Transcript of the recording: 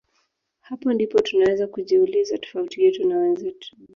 Hapo ndipo tunaweza kujiuliza tofauti yetu na wenzetu